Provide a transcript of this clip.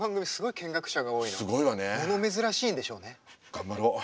頑張ろう。